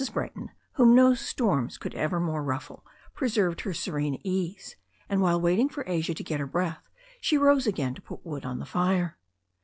Brayton, whom no storms could ever more rvBit, preserved her serene ease, and while waiting for Asia to get her breath, she rose again to put wood on the fire.